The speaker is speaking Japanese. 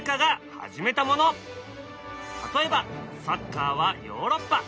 例えばサッカーはヨーロッパ。